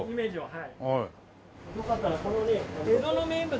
はい。